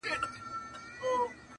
عالمه یو تر بل جارېږی-